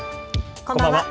こんばんは。